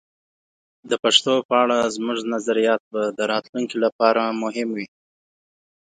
د پښتو په اړه زموږ نظریات به د راتلونکي لپاره مهم وي.